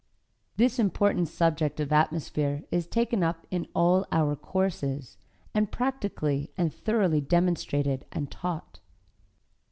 This important subject of atmosphere is taken up in all our courses, and practically and thoroughly demonstrated and taught.